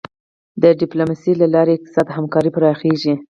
د ډیپلوماسی له لارې اقتصادي همکاري پراخیږي.